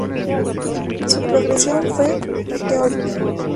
Su progresión fue meteórica.